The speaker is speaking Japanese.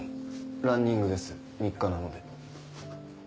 ランニングです日課なので。